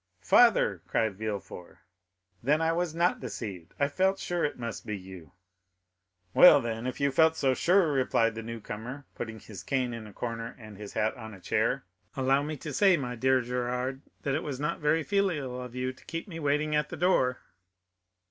"Father!" cried Villefort, "then I was not deceived; I felt sure it must be you." "Well, then, if you felt so sure," replied the new comer, putting his cane in a corner and his hat on a chair, "allow me to say, my dear Gérard, that it was not very filial of you to keep me waiting at the door."